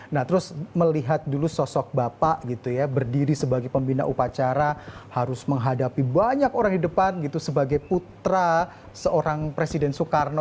nah terus melihat dulu sosok bapak gitu ya berdiri sebagai pembina upacara harus menghadapi banyak orang di depan gitu sebagai putra seorang presiden soekarno